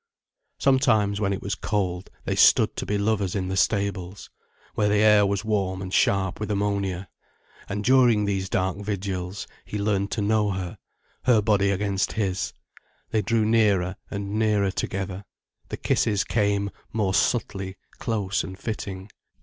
Sometimes, when it was cold, they stood to be lovers in the stables, where the air was warm and sharp with ammonia. And during these dark vigils, he learned to know her, her body against his, they drew nearer and nearer together, the kisses came more subtly close and fitting.